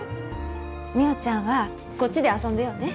美桜ちゃんはこっちで遊んでようね。